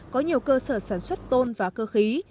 có nhiều cơ sở sản xuất tôn và cơ khí